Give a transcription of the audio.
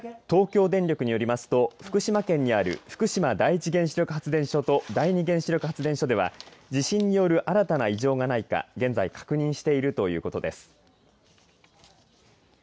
東京電力によりますと福島県にある福島第１原子力発電所と第２原子力発電所では地震による新たな異常がないか現在確認してるということです。